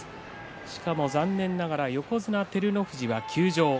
しかも残念ながら横綱照ノ富士が休場。